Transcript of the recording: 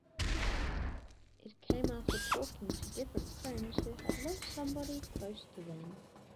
It came after talking to different friends who had lost somebody close to them.